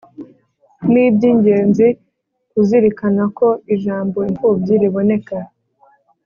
Ni iby ingenzi kuzirikana ko ijambo imfubyi riboneka